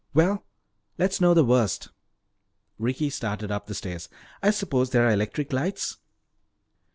Well, let's know the worst." Ricky started up the stairs. "I suppose there are electric lights?"